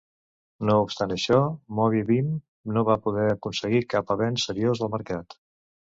No obstant això, MovieBeam no va poder aconseguir cap avanç seriós al mercat.